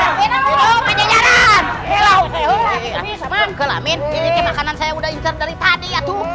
amin ini makanan saya sudah mencari dari tadi